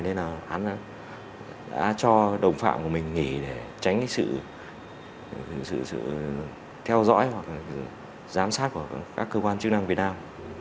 nên là án đã cho đồng phạm của mình nghỉ để tránh cái sự theo dõi hoặc là giám sát của các cơ quan chức năng việt nam